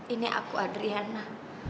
ini aku adriana